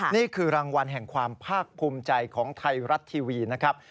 นี่คือรางวัลแห่งความภาคภูมิใจของไทยรัฐทีวีนะครับ